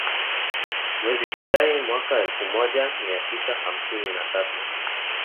Mwezi Julai mwaka elfu moja mia tisa hamsini na tatu